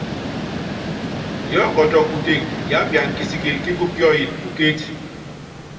Yiɔ́kɔtɔ kuteke, yiápiana kisikili kíkupíɔ́yɛt pukéci.